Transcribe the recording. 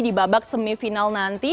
di babak semifinal nanti